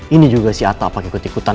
ini juga si ata pak ikut ikutan